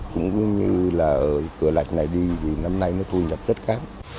cũng như là cửa lạch này đi thì năm nay nó thu nhập tất cả